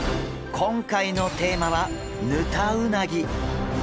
今回のテーマはヌタウナギ。